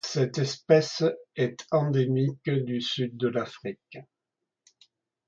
Cette espèce est endémique du sud de l'Afrique.